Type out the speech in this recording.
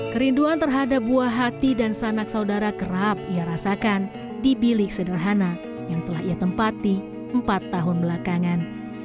kerinduan terhadap buah hati dan sanak saudara kerap ia rasakan di bilik sederhana yang telah ia tempati empat tahun belakangan